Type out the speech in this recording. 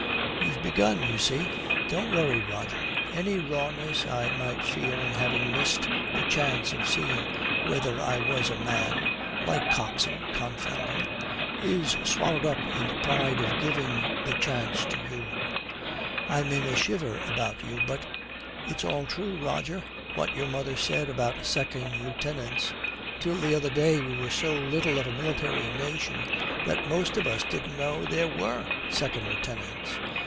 'You've begun, you see. Don't worry, Roger. Any rawness I might feel in having missed the chance of seeing whether I was a man like Coxon, confound him! is swallowed up in the pride of giving the chance to you. I'm in a shiver about you, but It's all true, Roger, what your mother said about 2nd Lieutenants. Till the other day we were so little of a military nation that most of us didn't know there were 2nd Lieutenants.